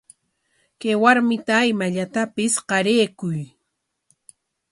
Kay warmita imallatapis qarayuy.